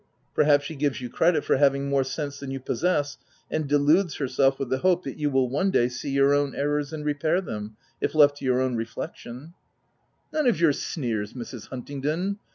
" Perhaps she gives you credit for having more sense than you possess, and deludes her self with the hope that you will one day see your own errors and repair them, if left to your own reflection/' OF WILDFELL HALL. 263 " None of your sneers, Mrs. Huntingdon